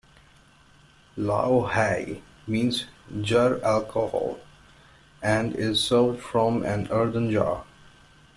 "Lao hai" means "jar alcohol" and is served from an earthen jar.